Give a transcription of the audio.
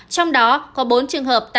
trong đó có bốn trường hợp